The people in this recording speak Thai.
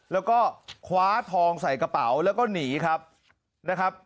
แล้วก็คว้าทองใส่กระเป๋าแล้วก็หนีครับนะครับ